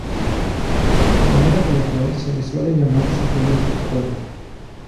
De manera coloquial se les suele llamar simplemente jugo.